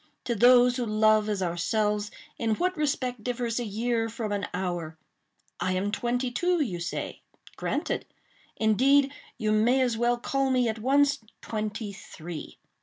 To those who love as ourselves, in what respect differs a year from an hour? I am twenty two, you say; granted: indeed, you may as well call me, at once, twenty three.